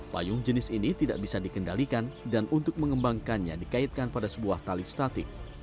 payung jenis ini tidak bisa dikendalikan dan untuk mengembangkannya dikaitkan pada sebuah tali statik